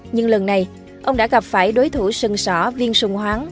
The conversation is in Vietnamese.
nhưng lần này ông đã gặp phải đối thủ sân sỏ viên sùng hoáng